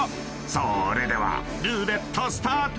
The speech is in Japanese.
［それではルーレットスタート！］